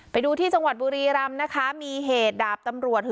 ไปดูที่จังหวัดบุรีรำนะคะมีเหตุดาบตำรวจ